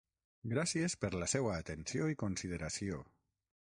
Gràcies per la seua atenció i consideració.